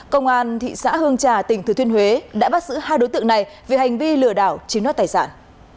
công an thị xã hương trà tỉnh thừa thiên huế đã bắt giữ hai đối tượng này vì hành vi lừa đảo chiếm đoạt tài sản